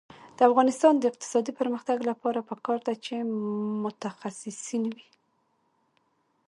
د افغانستان د اقتصادي پرمختګ لپاره پکار ده چې متخصصین وي.